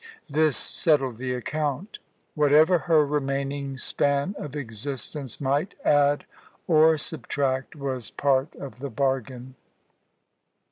This settled the account. Whatever her remaining span of existence might add or subtract, was part of the bargain.